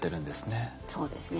そうですね